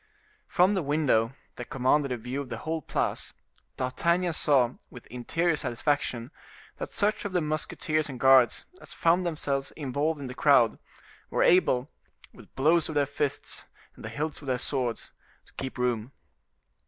From the window, that commanded a view of the whole Place, D'Artagnan saw, with interior satisfaction, that such of the musketeers and guards as found themselves involved in the crowd, were able, with blows of their fists and the hilts of theirs swords, to keep room.